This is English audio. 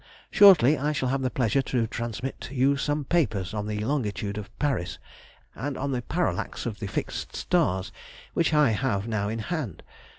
Shortly I shall have the pleasure to transmit you some papers on the longitude of Paris, and on the parallax of the fixed stars, which I have now in hand.